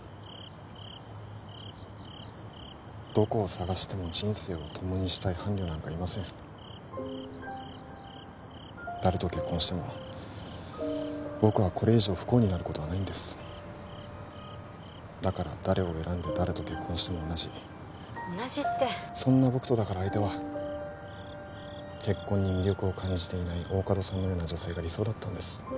どこを探しても人生を共にしたい伴侶なんかいません誰と結婚しても僕はこれ以上不幸になることはないんですだから誰を選んで誰と結婚しても同じ同じってそんな僕とだから相手は結婚に魅力を感じていない大加戸さんのような女性が理想だったんです